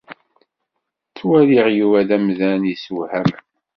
Ttwaliɣ Yuba d amdan yessewhamen.